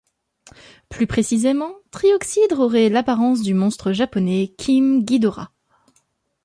Plus précisément, Trioxhydre aurait l'apparence du monstre japonais King Ghidorah.